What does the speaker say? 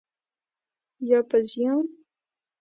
یا په زیان؟